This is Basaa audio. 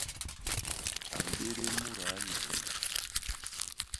A mbédél mudaa Nyaônde.